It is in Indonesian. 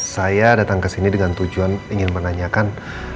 saya datang kesini dengan tujuan ingin menanyakan